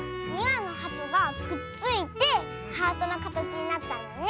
２わのハトがくっついてハートのかたちになったんだね。